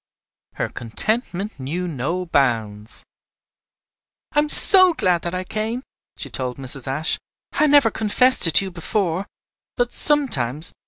Her contentment knew no bounds. "I am so glad that I came," she told Mrs. Ashe. "I never confessed it to you before; but sometimes.